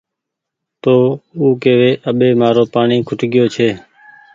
تو او ڪيوي اٻي مآرو پآڻيٚ کٽگيو ڇي